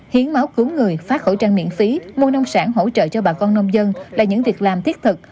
hiến máu cứu người phát khẩu trang miễn phí mua nông sản hỗ trợ cho bà con nông dân là những việc làm thiết thực